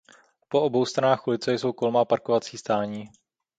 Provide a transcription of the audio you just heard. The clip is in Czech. Po obou stranách ulice jsou kolmá parkovací stání.